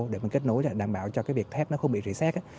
để mình kết nối đảm bảo cho cái việc thép nó không bị rỉ xét